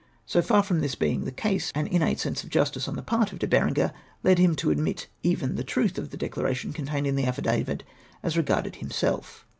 So far from this beino; the case, an innate sense of justice on the part of De Beren ger led him to admit even the truth of the declaration contained in the affidavit as regarded himself.